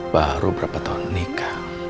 baru berapa tahun nikah